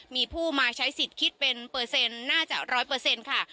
มีผู้มาใช้สิทธิ์คิดเป็นเปอร์เซ็นต์น่าจะร้อยเปอร์เซ็นต์ค่ะ